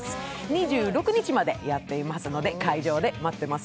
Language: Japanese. ２６日までやっていますので、会場で待ってます。